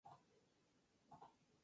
En Teen Titans Go!